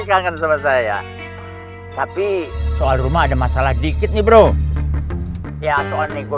kangen sama saya tapi soal rumah ada masalah dikit nih bro ya soal niko